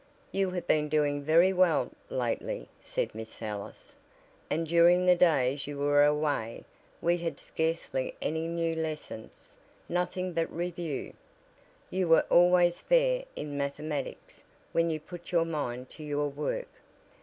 "You have been doing very well lately," said Miss Ellis, "and during the days you were away we had scarcely any new lessons nothing but review. You were always fair in mathematics when you put your mind to your work.